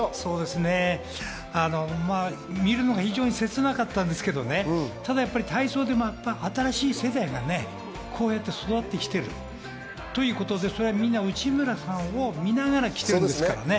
見るのが非常に切なかったんですけど、ただ、体操で新しい世代がこうやって育ってきているということでそれはみんな内村さんを見ながら来てるんですからね。